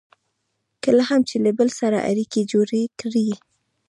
کله هم چې له بل سره اړیکې جوړې کړئ.